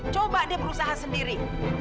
coba dia berusaha sendiri